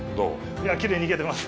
いや、きれいにいけてます。